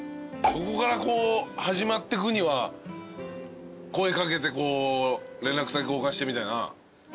そこから始まってくには声掛けて連絡先交換してみたいな。